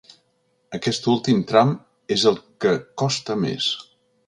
Aquest últim tram és el que costa més.